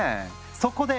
そこで！